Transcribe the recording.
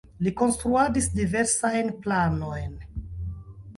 Li konstruadis diversajn planojn.